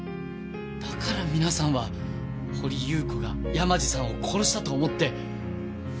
だから皆さんは掘祐子が山路さんを殺したと思って。